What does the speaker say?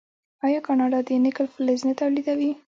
آیا کاناډا د نکل فلز نه تولیدوي؟